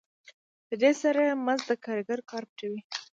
په دې سره مزد د کارګر کار پټوي